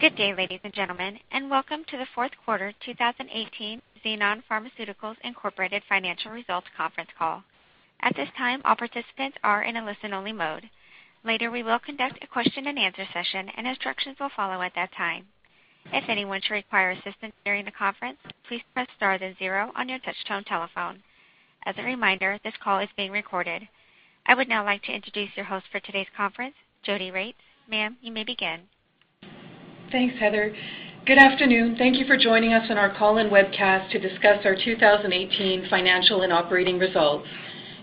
Good day, ladies and gentlemen, welcome to the fourth quarter 2018 Xenon Pharmaceuticals Inc. financial results conference call. At this time, all participants are in a listen-only mode. Later, we will conduct a question and answer session, and instructions will follow at that time. If anyone should require assistance during the conference, please press star then 0 on your touch-tone telephone. As a reminder, this call is being recorded. I would now like to introduce your host for today's conference, Jodi Regts. Ma'am, you may begin. Thanks, Heather. Good afternoon. Thank you for joining us on our call and webcast to discuss our 2018 financial and operating results.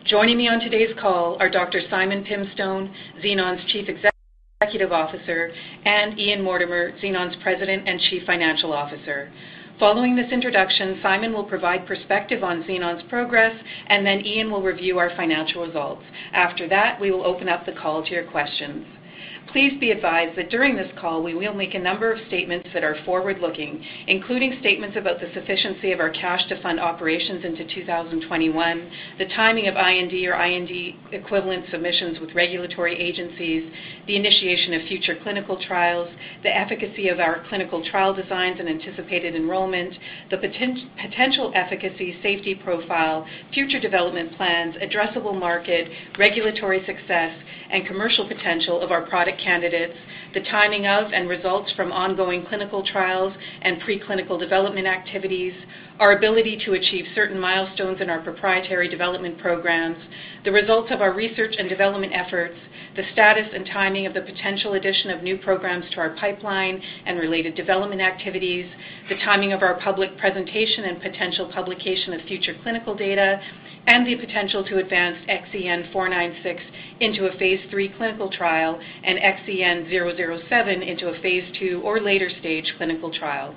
Joining me on today's call are Dr. Simon Pimstone, Xenon's Chief Executive Officer, Ian Mortimer, Xenon's President and Chief Financial Officer. Following this introduction, Simon will provide perspective on Xenon's progress, then Ian will review our financial results. After that, we will open up the call to your questions. Please be advised that during this call, we will make a number of statements that are forward-looking, including statements about the sufficiency of our cash to fund operations into 2021, the timing of IND or IND equivalent submissions with regulatory agencies, the initiation of future clinical trials, the efficacy of our clinical trial designs, and anticipated enrollment, the potential efficacy safety profile, future development plans, addressable market, regulatory success, and commercial potential of our product candidates, the timing of and results from ongoing clinical trials and preclinical development activities, our ability to achieve certain milestones in our proprietary development programs, the results of our research and development efforts, the status and timing of the potential addition of new programs to our pipeline and related development activities, the timing of our public presentation and potential publication of future clinical data, and the potential to advance XEN496 into a phase III clinical trial and XEN007 into a phase II or later stage clinical trial.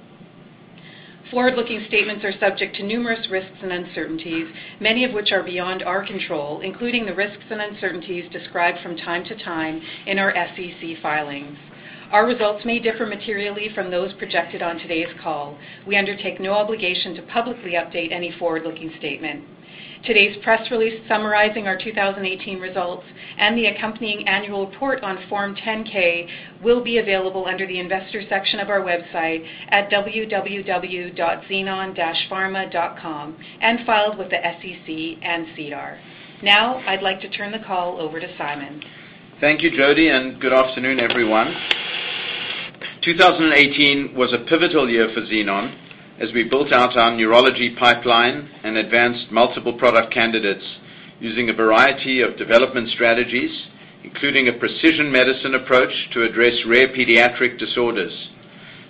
Forward-looking statements are subject to numerous risks and uncertainties, many of which are beyond our control, including the risks and uncertainties described from time to time in our SEC filings. Our results may differ materially from those projected on today's call. We undertake no obligation to publicly update any forward-looking statement. Today's press release summarizing our 2018 results and the accompanying annual report on Form 10-K will be available under the investors section of our website at www.xenon-pharma.com and filed with the SEC and SEDAR. I'd like to turn the call over to Simon. Thank you, Jodi, good afternoon, everyone. 2018 was a pivotal year for Xenon as we built out our neurology pipeline and advanced multiple product candidates using a variety of development strategies, including a precision medicine approach to address rare pediatric disorders.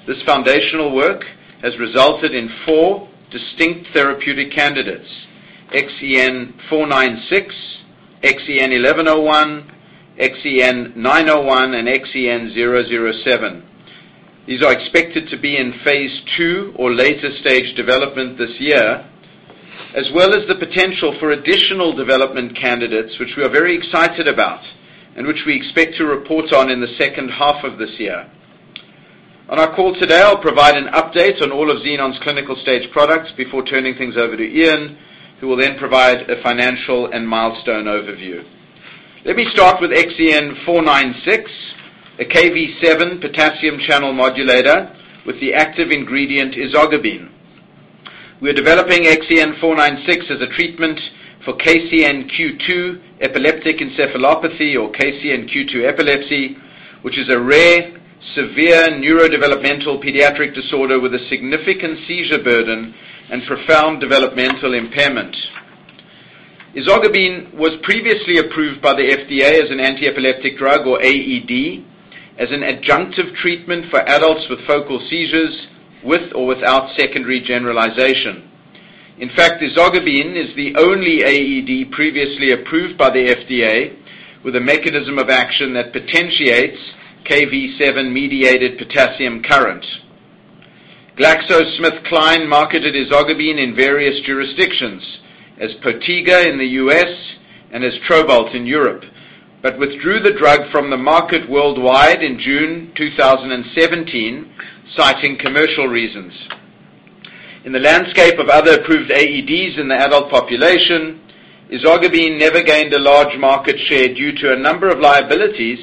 This foundational work has resulted in four distinct therapeutic candidates, XEN496, XEN1101, XEN901, and XEN007. These are expected to be in phase II or later-stage development this year, as well as the potential for additional development candidates, which we are very excited about and which we expect to report on in the second half of this year. On our call today, I'll provide an update on all of Xenon's clinical stage products before turning things over to Ian, who will then provide a financial and milestone overview. Let me start with XEN496, a KV7 potassium channel modulator with the active ingredient ezogabine. We're developing XEN496 as a treatment for KCNQ2 epileptic encephalopathy or KCNQ2 epilepsy, which is a rare, severe neurodevelopmental pediatric disorder with a significant seizure burden and profound developmental impairment. Ezogabine was previously approved by the FDA as an anti-epileptic drug or AED as an adjunctive treatment for adults with focal seizures with or without secondary generalization. In fact, ezogabine is the only AED previously approved by the FDA with a mechanism of action that potentiates KV7-mediated potassium current. GlaxoSmithKline marketed ezogabine in various jurisdictions as Potiga in the U.S. and as Trobalt in Europe, but withdrew the drug from the market worldwide in June 2017, citing commercial reasons. In the landscape of other approved AEDs in the adult population, ezogabine never gained a large market share due to a number of liabilities,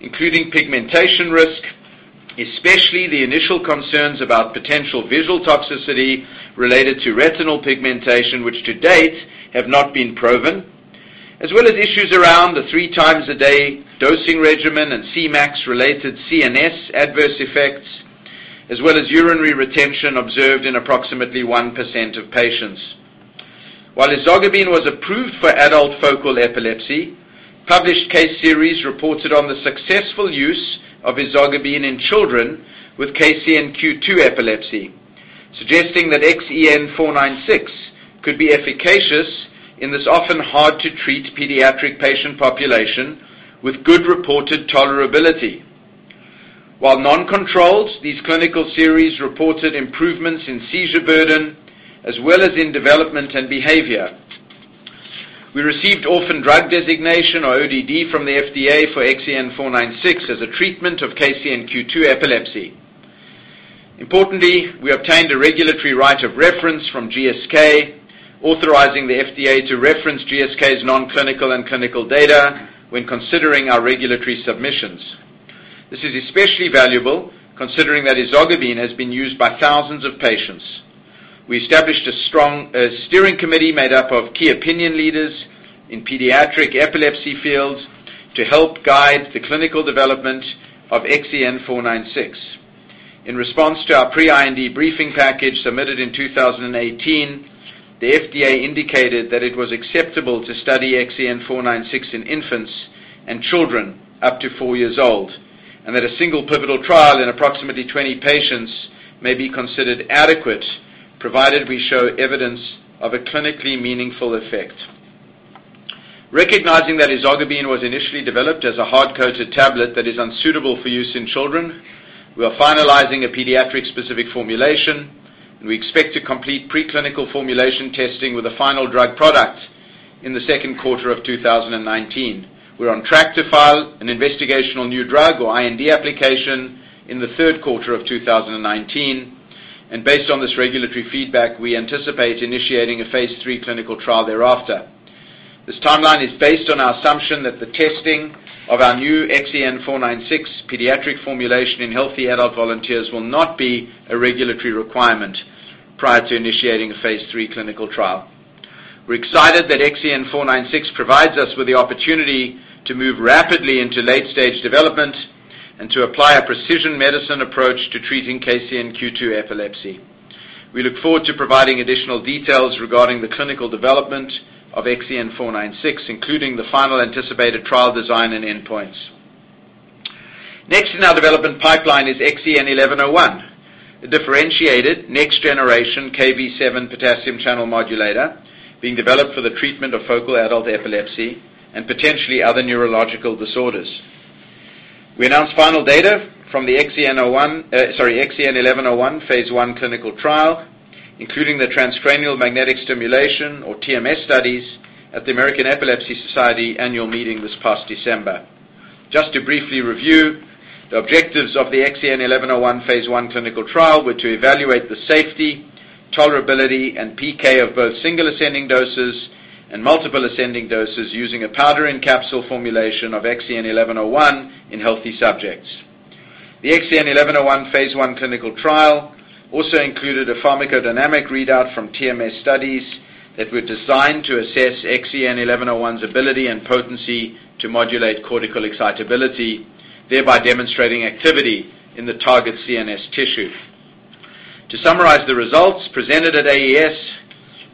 including pigmentation risk, especially the initial concerns about potential visual toxicity related to retinal pigmentation, which to date have not been proven, as well as issues around the three times a day dosing regimen and Cmax related CNS adverse effects, as well as urinary retention observed in approximately 1% of patients. While ezogabine was approved for adult focal epilepsy, published case series reported on the successful use of ezogabine in children with KCNQ2 epilepsy, suggesting that XEN496 could be efficacious in this often hard-to-treat pediatric patient population with good reported tolerability. While non-controlled, these clinical series reported improvements in seizure burden as well as in development and behavior. We received orphan drug designation or ODD from the FDA for XEN496 as a treatment of KCNQ2 epilepsy. Importantly, we obtained a regulatory right of reference from GSK authorizing the FDA to reference GSK's non-clinical and clinical data when considering our regulatory submissions. This is especially valuable considering that ezogabine has been used by thousands of patients. We established a strong steering committee made up of key opinion leaders in pediatric epilepsy fields to help guide the clinical development of XEN496. In response to our pre-IND briefing package submitted in 2018, the FDA indicated that it was acceptable to study XEN496 in infants and children up to four years old, and that a single pivotal trial in approximately 20 patients may be considered adequate, provided we show evidence of a clinically meaningful effect. Recognizing that ezogabine was initially developed as a hard-coated tablet that is unsuitable for use in children, we are finalizing a pediatric specific formulation, and we expect to complete preclinical formulation testing with a final drug product in the second quarter of 2019. We're on track to file an investigational new drug or IND application in the third quarter of 2019. Based on this regulatory feedback, we anticipate initiating a phase III clinical trial thereafter. This timeline is based on our assumption that the testing of our new XEN496 pediatric formulation in healthy adult volunteers will not be a regulatory requirement prior to initiating a phase III clinical trial. We're excited that XEN496 provides us with the opportunity to move rapidly into late-stage development and to apply a precision medicine approach to treating KCNQ2 epilepsy. We look forward to providing additional details regarding the clinical development of XEN496, including the final anticipated trial design and endpoints. Next in our development pipeline is XEN1101, a differentiated next generation KV7 potassium channel modulator being developed for the treatment of focal adult epilepsy and potentially other neurological disorders. We announced final data from the XEN1101 phase I clinical trial, including the transcranial magnetic stimulation or TMS studies at the American Epilepsy Society annual meeting this past December. Just to briefly review, the objectives of the XEN1101 phase I clinical trial were to evaluate the safety, tolerability, and PK of both single ascending doses and multiple ascending doses using a powder-in-capsule formulation of XEN1101 in healthy subjects. The XEN1101 phase I clinical trial also included a pharmacodynamic readout from TMS studies that were designed to assess XEN1101's ability and potency to modulate cortical excitability, thereby demonstrating activity in the target CNS tissue. To summarize the results presented at AES,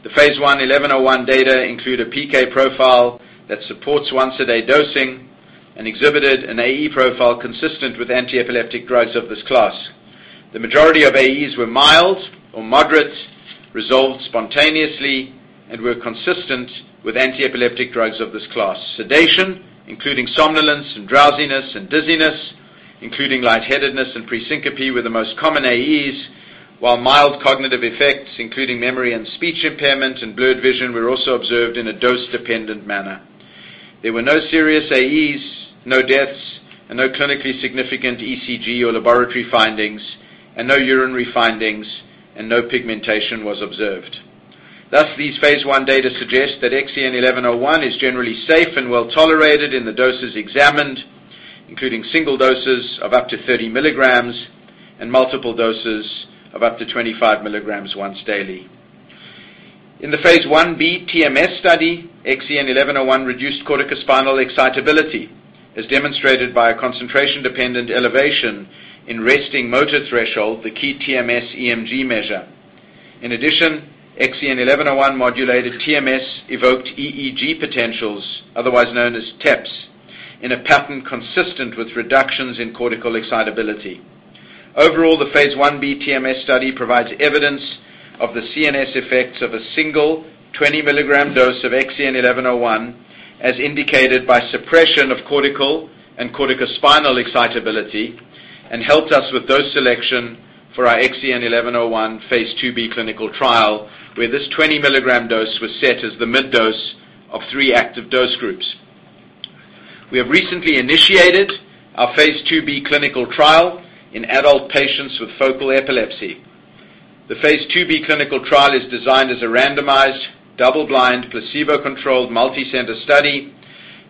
the phase I 1101 data include a PK profile that supports once-a-day dosing and exhibited an AE profile consistent with antiepileptic drugs of this class. The majority of AEs were mild or moderate, resolved spontaneously, and were consistent with antiepileptic drugs of this class. Sedation, including somnolence and drowsiness and dizziness, including lightheadedness and presyncope, were the most common AEs, while mild cognitive effects, including memory and speech impairment and blurred vision, were also observed in a dose-dependent manner. There were no serious AEs, no deaths, and no clinically significant ECG or laboratory findings, and no urinary findings, and no pigmentation was observed. Thus, these phase I data suggest that XEN1101 is generally safe and well-tolerated in the doses examined, including single doses of up to 30 milligrams and multiple doses of up to 25 milligrams once daily. In the phase I-B TMS study, XEN1101 reduced corticospinal excitability, as demonstrated by a concentration-dependent elevation in resting motor threshold, the key TMS EMG measure. In addition, XEN1101 modulated TMS-evoked EEG potentials, otherwise known as TEPs, in a pattern consistent with reductions in cortical excitability. Overall, the phase I-B TMS study provides evidence of the CNS effects of a single 20-milligram dose of XEN1101, as indicated by suppression of cortical and corticospinal excitability and helped us with dose selection for our XEN1101 phase II-B clinical trial, where this 20-milligram dose was set as the mid dose of 3 active dose groups. We have recently initiated our phase II-B clinical trial in adult patients with focal epilepsy. The phase II-B clinical trial is designed as a randomized, double-blind, placebo-controlled, multicenter study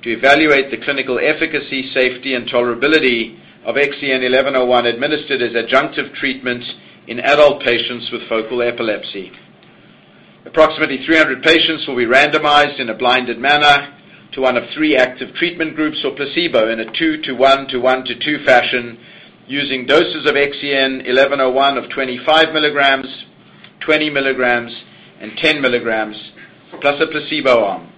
to evaluate the clinical efficacy, safety, and tolerability of XEN1101 administered as adjunctive treatment in adult patients with focal epilepsy. Approximately 300 patients will be randomized in a blinded manner to one of three active treatment groups or placebo in a two to one to one to two fashion using doses of XEN1101 of 25 milligrams, 20 milligrams, and 10 milligrams plus a placebo arm.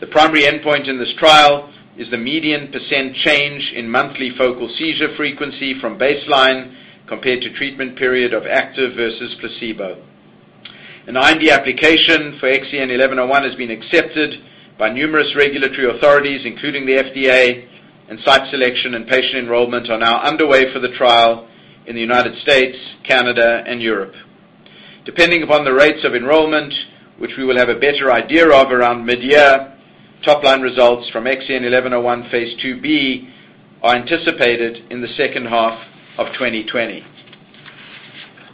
The primary endpoint in this trial is the median % change in monthly focal seizure frequency from baseline compared to treatment period of active versus placebo. An IND application for XEN1101 has been accepted by numerous regulatory authorities, including the FDA, and site selection and patient enrollment are now underway for the trial in the U.S., Canada, and Europe. Depending upon the rates of enrollment, which we will have a better idea of around mid-year, topline results from XEN1101 phase II-B are anticipated in the second half of 2020.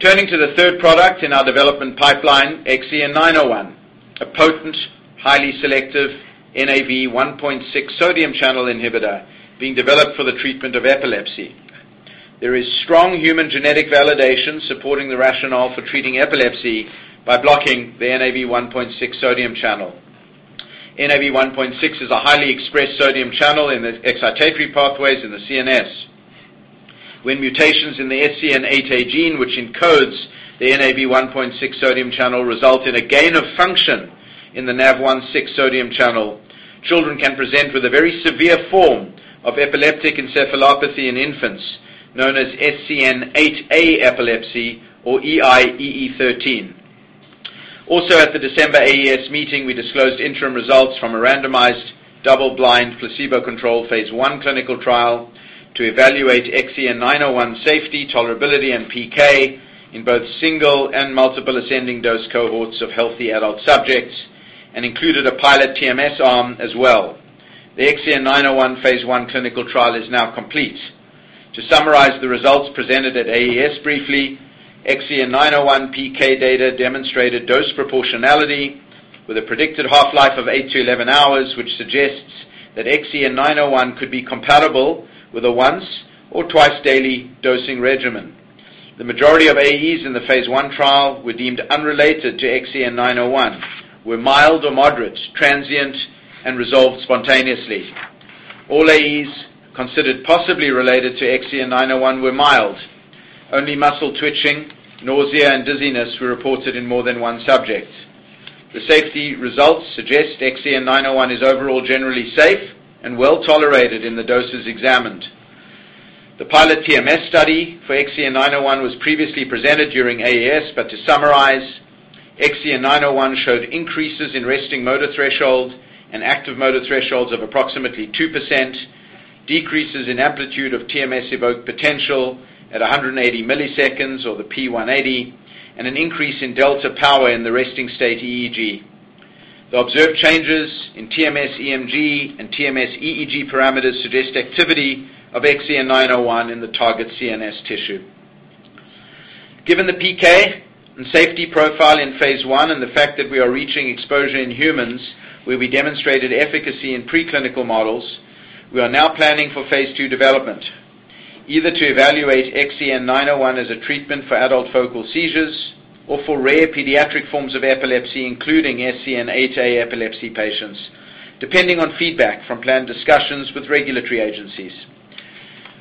Turning to the third product in our development pipeline, XEN901, a potent, highly selective Nav1.6 sodium channel inhibitor being developed for the treatment of epilepsy. There is strong human genetic validation supporting the rationale for treating epilepsy by blocking the Nav1.6 sodium channel. Nav1.6 is a highly expressed sodium channel in the excitatory pathways in the CNS. When mutations in the SCN8A gene, which encodes the Nav1.6 sodium channel, result in a gain of function in the Nav1.6 sodium channel, children can present with a very severe form of epileptic encephalopathy in infants, known as SCN8A epilepsy or EIEE13. Also, at the December AES meeting, we disclosed interim results from a randomized double-blind placebo control phase I clinical trial to evaluate XEN901 safety, tolerability, and PK in both single and multiple ascending dose cohorts of healthy adult subjects and included a pilot TMS arm as well. The XEN901 phase I clinical trial is now complete. To summarize the results presented at AES briefly, XEN901 PK data demonstrated dose proportionality with a predicted half-life of 8 to 11 hours, which suggests that XEN901 could be compatible with a once or twice-daily dosing regimen. The majority of AEs in the phase I trial were deemed unrelated to XEN901, were mild or moderate, transient, and resolved spontaneously. All AEs considered possibly related to XEN901 were mild. Only muscle twitching, nausea, and dizziness were reported in more than one subject. The safety results suggest XEN901 is overall generally safe and well-tolerated in the doses examined. The pilot TMS study for XEN901 was previously presented during AES, but to summarize, XEN901 showed increases in resting motor threshold and active motor thresholds of approximately 2%, decreases in amplitude of TMS-evoked potential at 180 milliseconds or the P180, and an increase in delta power in the resting state EEG. The observed changes in TMS EMG and TMS EEG parameters suggest activity of XEN901 in the target CNS tissue. Given the PK and safety profile in phase I and the fact that we are reaching exposure in humans where we demonstrated efficacy in preclinical models, we are now planning for phase II development, either to evaluate XEN901 as a treatment for adult focal seizures or for rare pediatric forms of epilepsy, including SCN8A epilepsy patients, depending on feedback from planned discussions with regulatory agencies.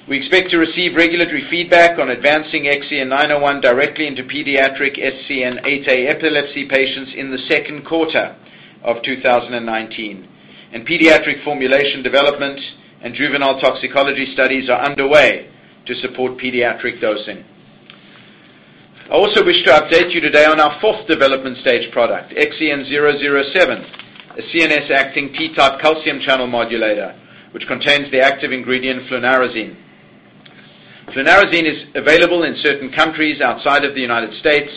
We expect to receive regulatory feedback on advancing XEN901 directly into pediatric SCN8A epilepsy patients in the second quarter of 2019. Pediatric formulation development and juvenile toxicology studies are underway to support pediatric dosing. I also wish to update you today on our 4th development stage product, XEN007, a CNS-acting T-type calcium channel modulator, which contains the active ingredient flunarizine. Flunarizine is available in certain countries outside of the U.S.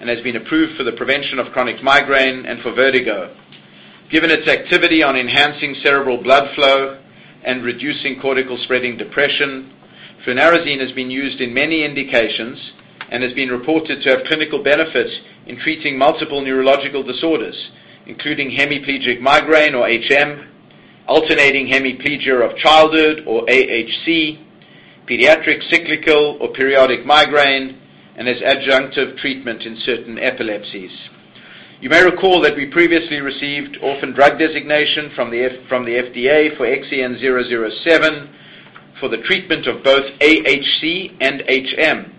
and has been approved for the prevention of chronic migraine and for vertigo. Given its activity on enhancing cerebral blood flow and reducing cortical spreading depression, flunarizine has been used in many indications and has been reported to have clinical benefits in treating multiple neurological disorders, including hemiplegic migraine or HM, alternating hemiplegia of childhood or AHC, pediatric cyclical or periodic migraine, and as adjunctive treatment in certain epilepsies. You may recall that we previously received Orphan Drug Designation from the FDA for XEN007 for the treatment of both AHC and HM.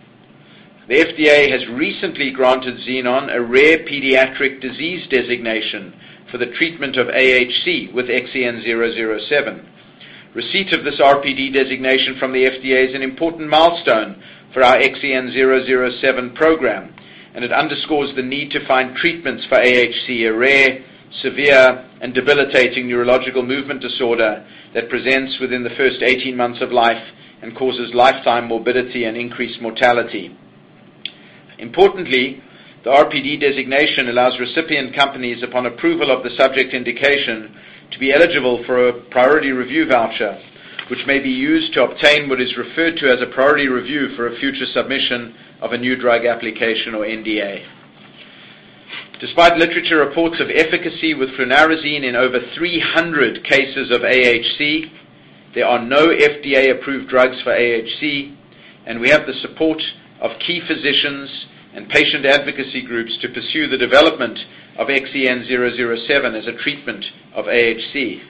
The FDA has recently granted Xenon a Rare Pediatric Disease Designation for the treatment of AHC with XEN007. Receipt of this RPD Designation from the FDA is an important milestone for our XEN007 program, and it underscores the need to find treatments for AHC, a rare, severe, and debilitating neurological movement disorder that presents within the first 18 months of life and causes lifetime morbidity and increased mortality. Importantly, the RPD Designation allows recipient companies, upon approval of the subject indication, to be eligible for a priority review voucher, which may be used to obtain what is referred to as a priority review for a future submission of a New Drug Application or NDA. Despite literature reports of efficacy with flunarizine in over 300 cases of AHC, there are no FDA-approved drugs for AHC, and we have the support of key physicians and patient advocacy groups to pursue the development of XEN007 as a treatment of AHC.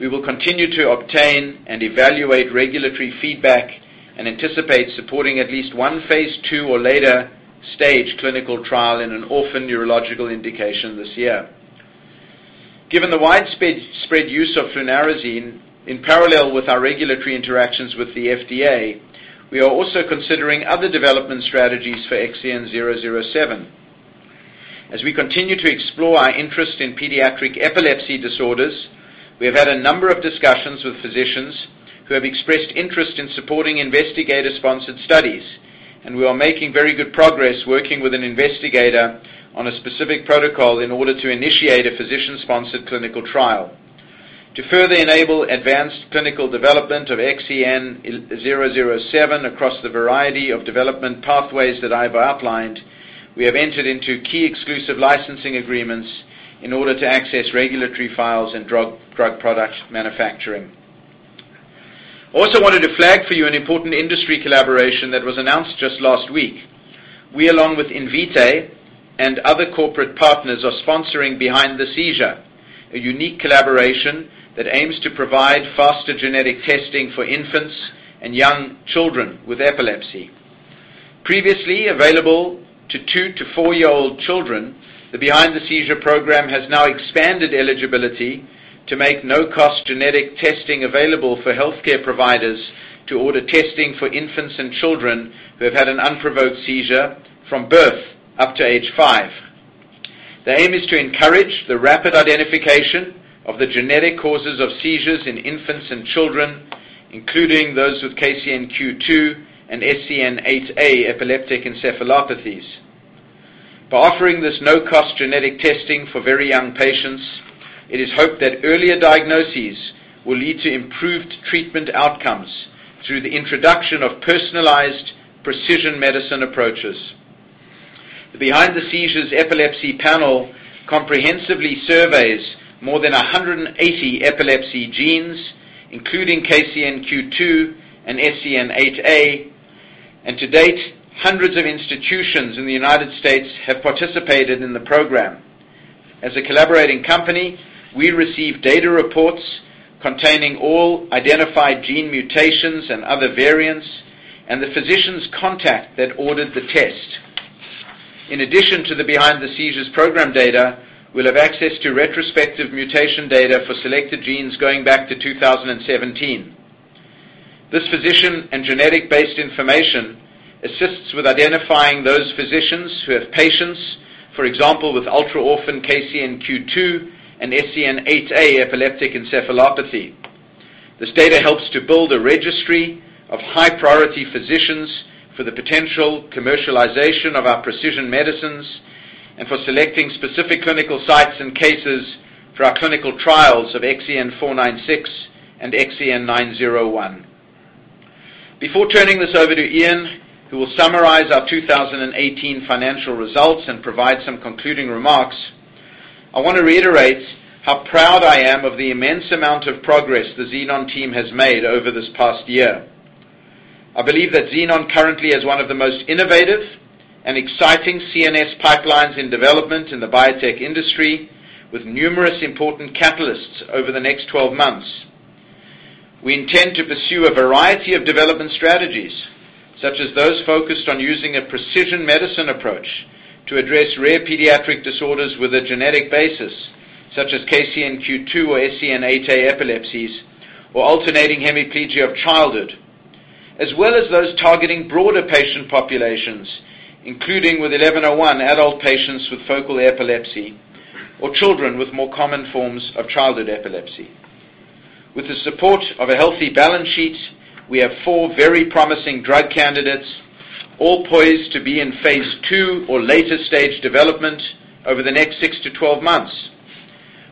We will continue to obtain and evaluate regulatory feedback and anticipate supporting at least one phase II or later stage clinical trial in an orphan neurological indication this year. Given the widespread use of flunarizine in parallel with our regulatory interactions with the FDA, we are also considering other development strategies for XEN007.As we continue to explore our interest in pediatric epilepsy disorders, we have had a number of discussions with physicians who have expressed interest in supporting investigator-sponsored studies, and we are making very good progress working with an investigator on a specific protocol in order to initiate a physician-sponsored clinical trial. To further enable advanced clinical development of XEN007 across the variety of development pathways that I've outlined, we have entered into key exclusive licensing agreements in order to access regulatory files and drug product manufacturing. I also wanted to flag for you an important industry collaboration that was announced just last week. We, along with Invitae and other corporate partners, are sponsoring Behind the Seizure, a unique collaboration that aims to provide faster genetic testing for infants and young children with epilepsy. Previously available to 2- to 4-year-old children, the Behind the Seizure program has now expanded eligibility to make no-cost genetic testing available for healthcare providers to order testing for infants and children who have had an unprovoked seizure from birth up to age 5. The aim is to encourage the rapid identification of the genetic causes of seizures in infants and children, including those with KCNQ2 and SCN8A epileptic encephalopathies. By offering this no-cost genetic testing for very young patients, it is hoped that earlier diagnoses will lead to improved treatment outcomes through the introduction of personalized precision medicine approaches. The Behind the Seizure epilepsy panel comprehensively surveys more than 180 epilepsy genes, including KCNQ2 and SCN8A. To date, hundreds of institutions in the U.S. have participated in the program. As a collaborating company, we receive data reports containing all identified gene mutations and other variants and the physician's contact that ordered the test. In addition to the Behind the Seizure program data, we'll have access to retrospective mutation data for selected genes going back to 2017. This physician and genetic-based information assists with identifying those physicians who have patients, for example, with ultra-orphan KCNQ2 and SCN8A epileptic encephalopathy. This data helps to build a registry of high-priority physicians for the potential commercialization of our precision medicines and for selecting specific clinical sites and cases for our clinical trials of XEN496 and XEN901. Before turning this over to Ian, who will summarize our 2018 financial results and provide some concluding remarks, I want to reiterate how proud I am of the immense amount of progress the Xenon team has made over this past year. I believe that Xenon currently has one of the most innovative and exciting CNS pipelines in development in the biotech industry, with numerous important catalysts over the next 12 months. We intend to pursue a variety of development strategies, such as those focused on using a precision medicine approach to address rare pediatric disorders with a genetic basis, such as KCNQ2 or SCN8A epilepsies, or alternating hemiplegia of childhood, as well as those targeting broader patient populations, including with XEN1101 adult patients with focal epilepsy or children with more common forms of childhood epilepsy. With the support of a healthy balance sheet, we have four very promising drug candidates all poised to be in phase II or later stage development over the next 6 to 12 months.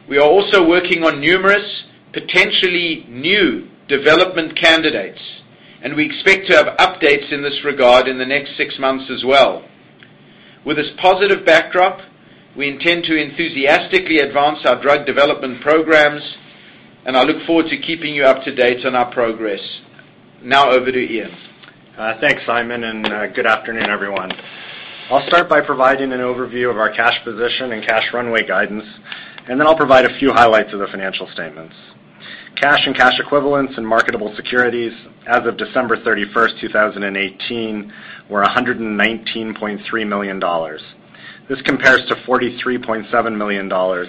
We are also working on numerous potentially new development candidates, and we expect to have updates in this regard in the next six months as well. With this positive backdrop, we intend to enthusiastically advance our drug development programs, and I look forward to keeping you up to date on our progress. Now over to Ian. Thanks, Simon. Good afternoon, everyone. I'll start by providing an overview of our cash position and cash runway guidance, and then I'll provide a few highlights of the financial statements. Cash and cash equivalents in marketable securities as of December 31st, 2018, were $119.3 million. This compares to $43.7 million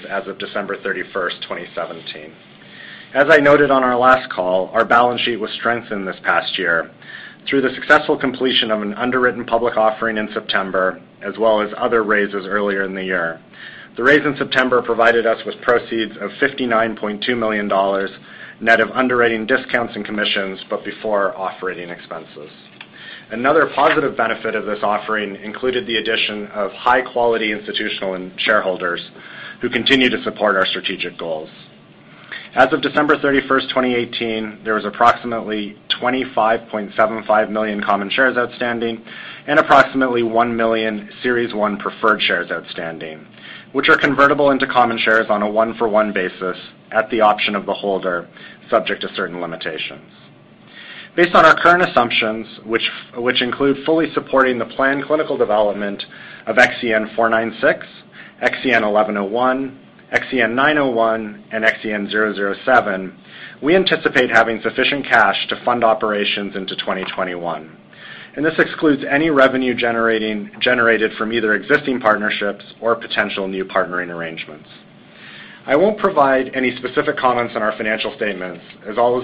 as of December 31st, 2017. As I noted on our last call, our balance sheet was strengthened this past year through the successful completion of an underwritten public offering in September, as well as other raises earlier in the year. The raise in September provided us with proceeds of $59.2 million, net of underwriting discounts and commissions, but before offering expenses. Another positive benefit of this offering included the addition of high-quality institutional and shareholders who continue to support our strategic goals. As of December 31st, 2018, there was approximately 25.75 million common shares outstanding and approximately 1 million Series 1 preferred shares outstanding, which are convertible into common shares on a one-for-one basis at the option of the holder, subject to certain limitations. Based on our current assumptions, which include fully supporting the planned clinical development of XEN496, XEN1101, XEN901, and XEN007, we anticipate having sufficient cash to fund operations into 2021. This excludes any revenue generated from either existing partnerships or potential new partnering arrangements. I won't provide any specific comments on our financial statements, as all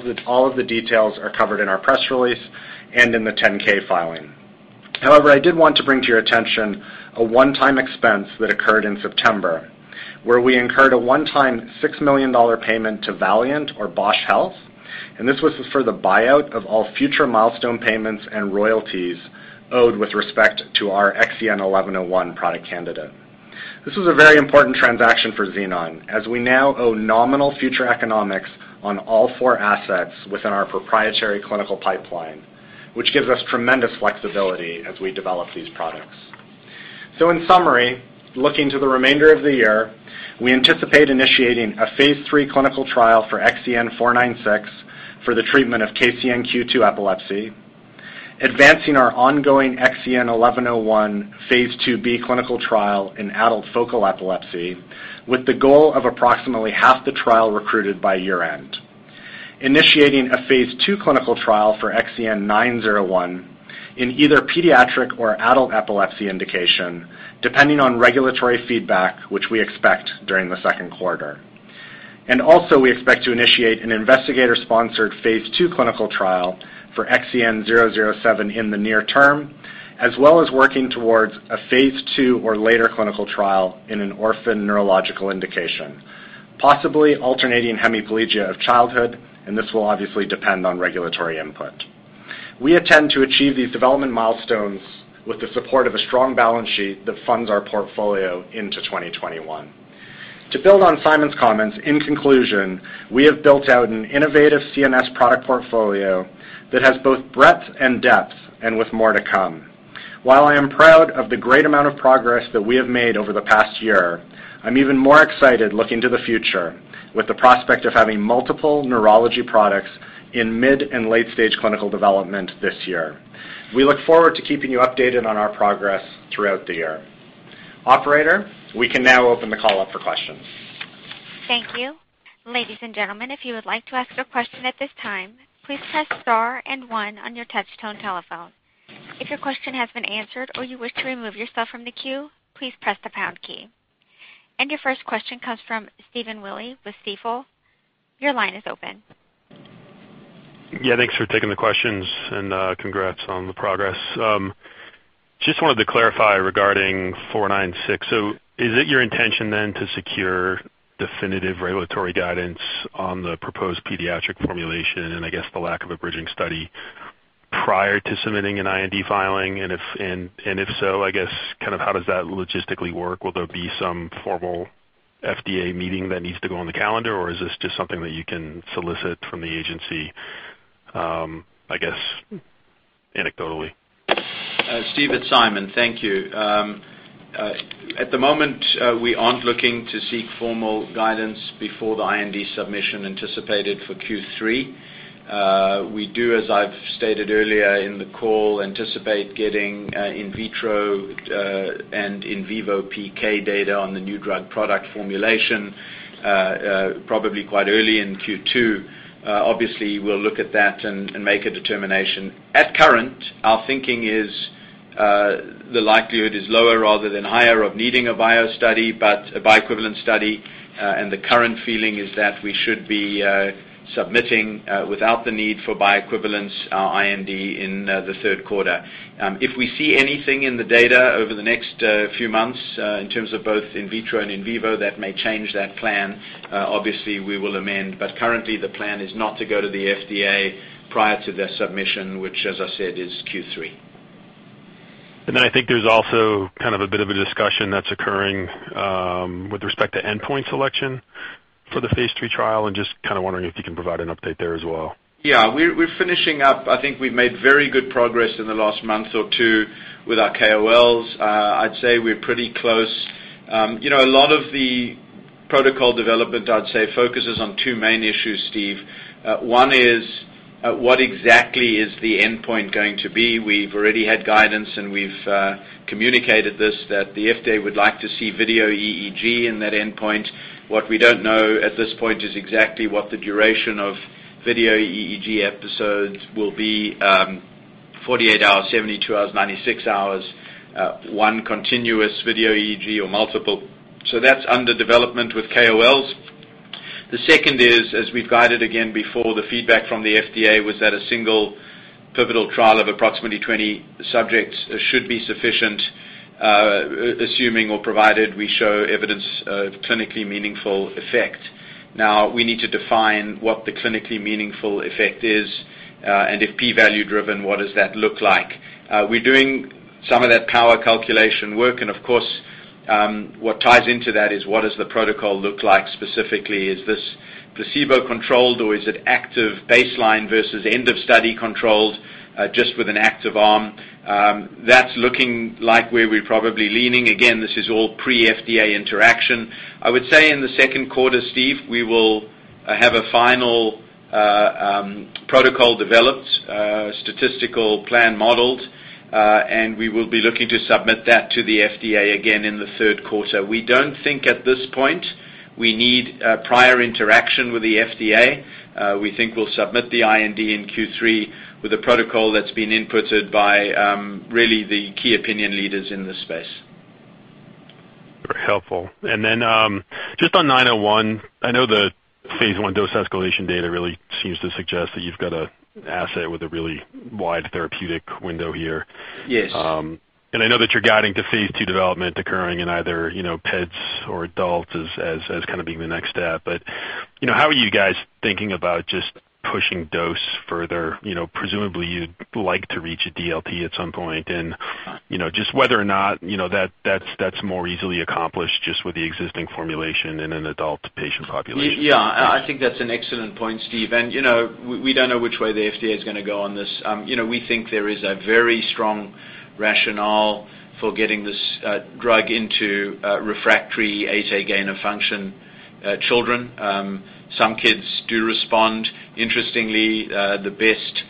of the details are covered in our press release and in the 10-K filing. However, I did want to bring to your attention a one-time expense that occurred in September, where we incurred a one-time $6 million payment to Valeant or Bausch Health, and this was for the buyout of all future milestone payments and royalties owed with respect to our XEN1101 product candidate. This was a very important transaction for Xenon, as we now owe nominal future economics on all four assets within our proprietary clinical pipeline, which gives us tremendous flexibility as we develop these products. In summary, looking to the remainder of the year, we anticipate initiating a phase III clinical trial for XEN496 for the treatment of KCNQ2 epilepsy, advancing our ongoing XEN1101 phase II-B clinical trial in adult focal epilepsy, with the goal of approximately half the trial recruited by year-end. Initiating a phase II clinical trial for XEN901 in either pediatric or adult epilepsy indication, depending on regulatory feedback, which we expect during the second quarter. Also, we expect to initiate an investigator-sponsored phase II clinical trial for XEN007 in the near term, as well as working towards a phase II or later clinical trial in an orphan neurological indication, possibly alternating hemiplegia of childhood, and this will obviously depend on regulatory input. We intend to achieve these development milestones with the support of a strong balance sheet that funds our portfolio into 2021. To build on Simon's comments, in conclusion, we have built out an innovative CNS product portfolio that has both breadth and depth, and with more to come. While I am proud of the great amount of progress that we have made over the past year, I'm even more excited looking to the future with the prospect of having multiple neurology products in mid and late-stage clinical development this year. We look forward to keeping you updated on our progress throughout the year. Operator, we can now open the call up for questions. Thank you. Ladies and gentlemen, if you would like to ask a question at this time, please press star and one on your touch tone telephone. If your question has been answered or you wish to remove yourself from the queue, please press the pound key. Your first question comes from Stephen Willey with Stifel. Your line is open. Thanks for taking the questions and congrats on the progress. Just wanted to clarify regarding 496. Is it your intention then to secure definitive regulatory guidance on the proposed pediatric formulation, and I guess the lack of a bridging study prior to submitting an IND filing? If so, I guess, how does that logistically work? Will there be some formal FDA meeting that needs to go on the calendar, or is this just something that you can solicit from the agency, I guess, anecdotally? Steve, it's Simon. Thank you. At the moment, we aren't looking to seek formal guidance before the IND submission anticipated for Q3. We do, as I've stated earlier in the call, anticipate getting in vitro and in vivo PK data on the new drug product formulation probably quite early in Q2. Obviously, we'll look at that and make a determination. At current, our thinking is the likelihood is lower rather than higher of needing a bioequivalence study, and the current feeling is that we should be submitting without the need for bioequivalence IND in the third quarter. If we see anything in the data over the next few months in terms of both in vitro and in vivo that may change that plan, obviously we will amend. Currently, the plan is not to go to the FDA prior to their submission, which as I said, is Q3. I think there's also a bit of a discussion that's occurring with respect to endpoint selection for the phase III trial, and just wondering if you can provide an update there as well. We're finishing up. I think we've made very good progress in the last month or two with our KOLs. I'd say we're pretty close. A lot of the protocol development, I'd say, focuses on two main issues, Steve. One is what exactly is the endpoint going to be? We've already had guidance, and we've communicated this, that the FDA would like to see video EEG in that endpoint. What we don't know at this point is exactly what the duration of video EEG episodes will be, 48 hours, 72 hours, 96 hours, one continuous video EEG or multiple. That's under development with KOLs. The second is, as we've guided again before, the feedback from the FDA was that a single pivotal trial of approximately 20 subjects should be sufficient, assuming or provided we show evidence of clinically meaningful effect. We need to define what the clinically meaningful effect is. If P-value driven, what does that look like? We're doing some of that power calculation work, of course, what ties into that is what does the protocol look like specifically? Is this placebo-controlled or is it active baseline versus end of study controlled just with an active arm? That's looking like where we're probably leaning. Again, this is all pre FDA interaction. I would say in the second quarter, Steve, we will have a final protocol developed, statistical plan modeled, and we will be looking to submit that to the FDA again in the third quarter. We don't think at this point we need prior interaction with the FDA. We think we'll submit the IND in Q3 with a protocol that's been inputted by really the key opinion leaders in this space. Very helpful. Just on 901, I know the phase I dose escalation data really seems to suggest that you've got an asset with a really wide therapeutic window here. Yes. I know that you're guiding to phase II development occurring in either peds or adults as being the next step. How are you guys thinking about just pushing dose further? Presumably, you'd like to reach a DLT at some point. Just whether or not that's more easily accomplished just with the existing formulation in an adult patient population. Yeah. I think that's an excellent point, Steve. We don't know which way the FDA is going to go on this. We think there is a very strong rationale for getting this drug into refractory SCN8A gain-of-function children. Some kids do respond. Interestingly, the best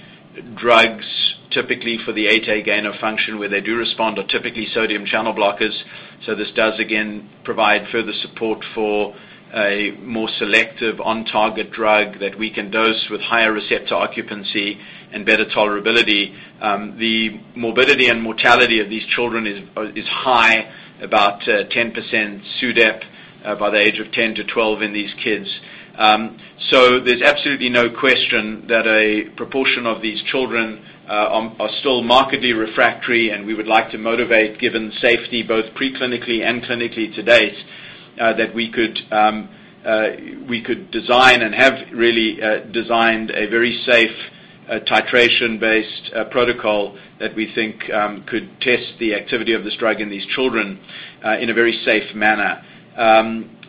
drugs, typically for the SCN8A gain of function, where they do respond, are typically sodium channel blockers. This does again provide further support for a more selective on-target drug that we can dose with higher receptor occupancy and better tolerability. The morbidity and mortality of these children is high, about 10% SUDEP by the age of 10 to 12 in these kids. There's absolutely no question that a proportion of these children are still markedly refractory, and we would like to motivate, given safety, both pre-clinically and clinically to date that we could design and have really designed a very safe titration-based protocol that we think could test the activity of this drug in these children in a very safe manner.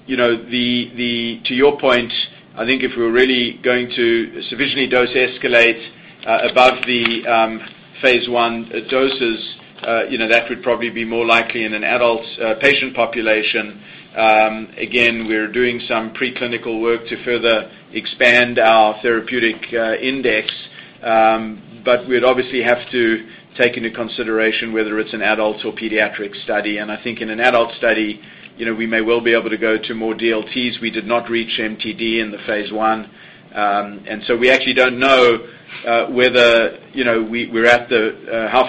To your point, I think if we're really going to sufficiently dose escalate above the phase I doses, that would probably be more likely in an adult patient population. Again, we're doing some pre-clinical work to further expand our therapeutic index. We'd obviously have to take into consideration whether it's an adult or pediatric study. I think in an adult study, we may well be able to go to more DLTs. We did not reach MTD in the phase I. We actually don't know how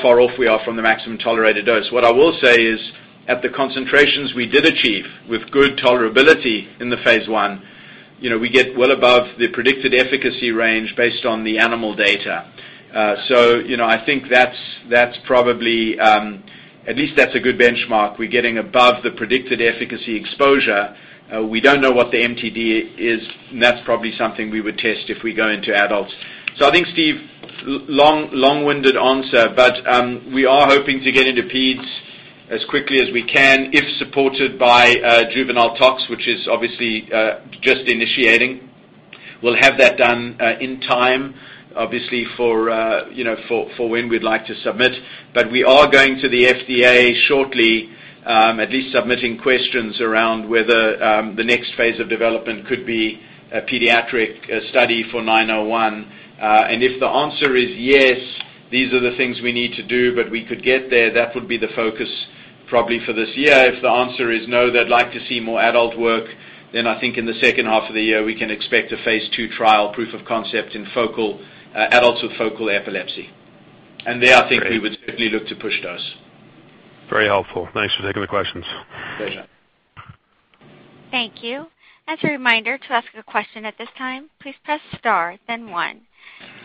far off we are from the maximum tolerated dose. What I will say is, at the concentrations we did achieve with good tolerability in the phase I, we get well above the predicted efficacy range based on the animal data. I think at least that's a good benchmark. We're getting above the predicted efficacy exposure. We don't know what the MTD is, and that's probably something we would test if we go into adults. I think, Steve, long-winded answer, we are hoping to get into pediatrics as quickly as we can if supported by juvenile tox, which is obviously just initiating. We'll have that done in time, obviously for when we'd like to submit. We are going to the FDA shortly, at least submitting questions around whether the next phase of development could be a pediatric study for 901. If the answer is yes, these are the things we need to do, but we could get there, that would be the focus probably for this year. If the answer is no, they'd like to see more adult work, I think in the second half of the year, we can expect a phase II trial proof of concept in adults with focal epilepsy. There, I think we would certainly look to push dose. Very helpful. Thanks for taking the questions. Pleasure. Thank you. As a reminder, to ask a question at this time, please press star, then 1.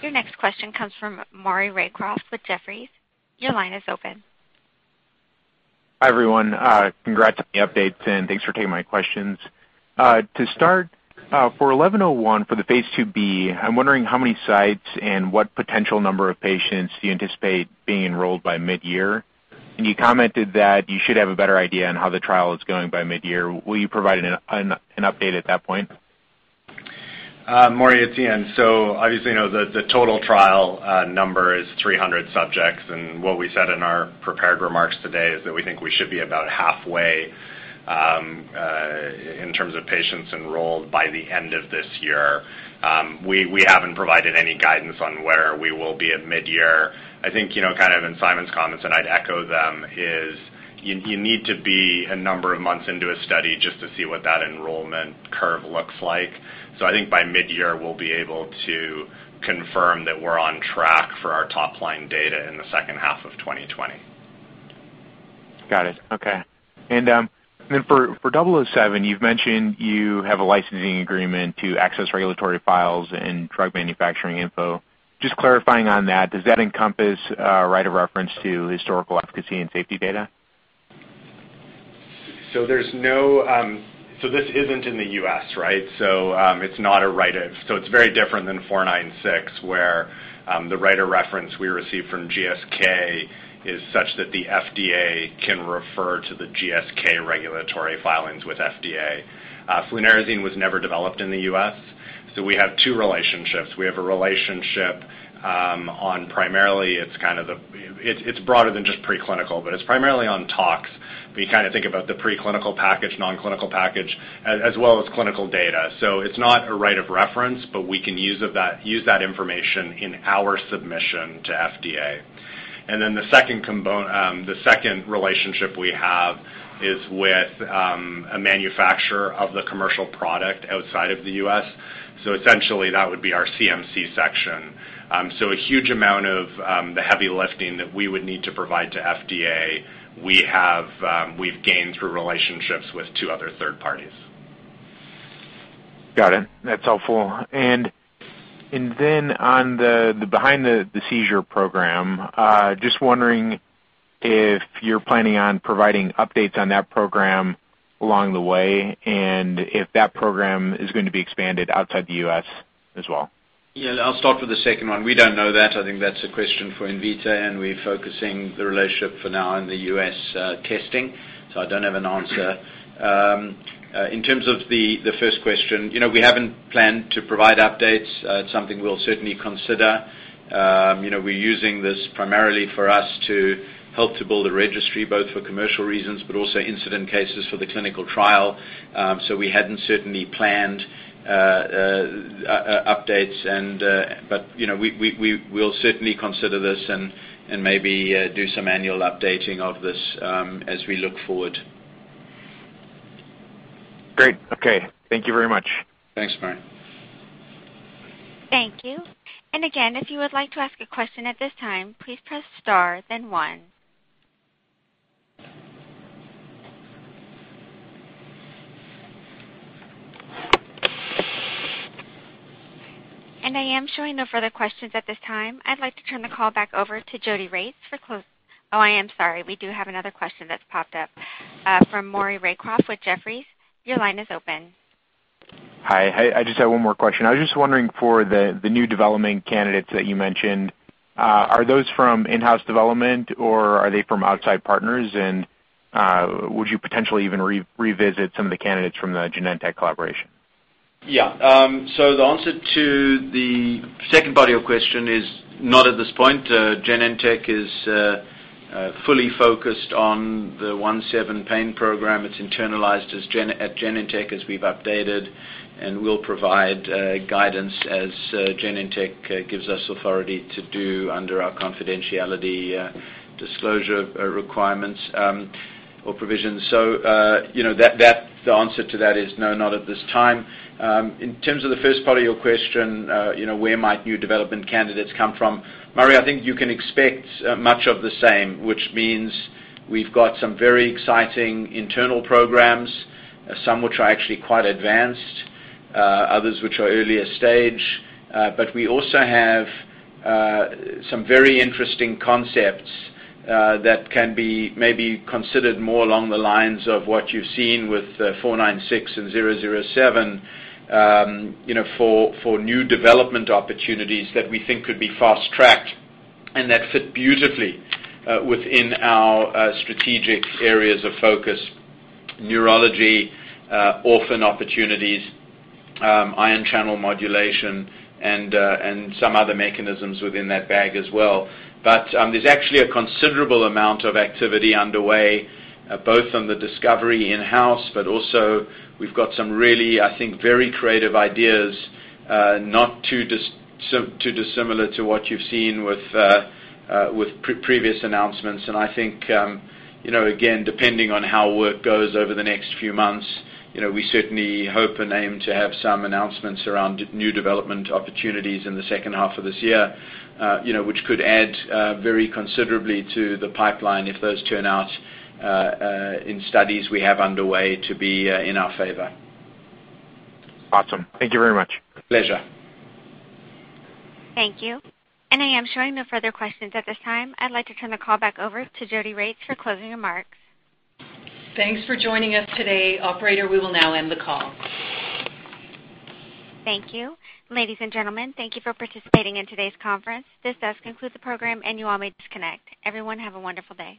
Your next question comes from Maury Raycroft with Jefferies. Your line is open. Hi, everyone. Congrats on the updates and thanks for taking my questions. To start, for XEN1101, for the phase II-B, I'm wondering how many sites and what potential number of patients do you anticipate being enrolled by mid-year? You commented that you should have a better idea on how the trial is going by mid-year. Will you provide an update at that point? Maury, it's Ian. Obviously, the total trial number is 300 subjects, and what we said in our prepared remarks today is that we think we should be about halfway in terms of patients enrolled by the end of this year. We haven't provided any guidance on where we will be at mid-year. I think, in Simon's comments, and I'd echo them, is you need to be a number of months into a study just to see what that enrollment curve looks like. I think by mid-year, we'll be able to confirm that we're on track for our top-line data in the second half of 2020. Got it. Okay. Then for XEN007, you've mentioned you have a licensing agreement to access regulatory files and drug manufacturing info. Just clarifying on that, does that encompass right of reference to historical efficacy and safety data? This isn't in the U.S., right? It's very different than XEN496, where the right of reference we received from GSK is such that the FDA can refer to the GSK regulatory filings with FDA. Flunarizine was never developed in the U.S., we have two relationships. We have a relationship on primarily it's broader than just pre-clinical, but it's primarily on tox. We think about the pre-clinical package, non-clinical package, as well as clinical data. It's not a right of reference, but we can use that information in our submission to FDA. Then the second relationship we have is with a manufacturer of the commercial product outside of the U.S. Essentially, that would be our CMC section. A huge amount of the heavy lifting that we would need to provide to FDA, we've gained through relationships with two other third parties. Got it. That's helpful. Behind the Seizure program, just wondering if you're planning on providing updates on that program along the way, and if that program is going to be expanded outside the U.S. as well. Yeah. I'll start with the second one. We don't know that. I think that's a question for Invitae, we're focusing the relationship for now in the U.S. testing, I don't have an answer. In terms of the first question, we haven't planned to provide updates. It's something we'll certainly consider. We're using this primarily for us to help to build a registry, both for commercial reasons, but also incident cases for the clinical trial. We hadn't certainly planned updates, but we'll certainly consider this and maybe do some annual updating of this as we look forward. Great. Okay. Thank you very much. Thanks, Maury. Thank you. Again, if you would like to ask a question at this time, please press star, then 1. I am showing no further questions at this time. I'd like to turn the call back over to Jodi Regts for close. Oh, I am sorry. We do have another question that's popped up. From Maury Raycroft with Jefferies, your line is open. Hi. I just have 1 more question. I was just wondering for the new development candidates that you mentioned, are those from in-house development, or are they from outside partners? Would you potentially even revisit some of the candidates from the Genentech collaboration? The answer to the second part of your question is not at this point. Genentech is fully focused on the Nav1.7 pain program. It's internalized at Genentech as we've updated, and we'll provide guidance as Genentech gives us authority to do under our confidentiality disclosure requirements or provisions. The answer to that is no, not at this time. In terms of the first part of your question, where might new development candidates come from? Maury, I think you can expect much of the same, which means we've got some very exciting internal programs, some which are actually quite advanced, others which are earlier stage. We also have some very interesting concepts that can be maybe considered more along the lines of what you've seen with XEN496 and XEN007 for new development opportunities that we think could be fast-tracked and that fit beautifully within our strategic areas of focus, neurology, orphan opportunities, ion channel modulation, and some other mechanisms within that bag as well. There's actually a considerable amount of activity underway, both on the discovery in-house, but also we've got some really, I think, very creative ideas, not too dissimilar to what you've seen with previous announcements. I think, again, depending on how work goes over the next few months, we certainly hope and aim to have some announcements around new development opportunities in the second half of this year which could add very considerably to the pipeline if those turn out in studies we have underway to be in our favor. Awesome. Thank you very much. Pleasure. Thank you. I am showing no further questions at this time. I'd like to turn the call back over to Jodi Regts for closing remarks. Thanks for joining us today. Operator, we will now end the call. Thank you. Ladies and gentlemen, thank you for participating in today's conference. This does conclude the program. You all may disconnect. Everyone, have a wonderful day.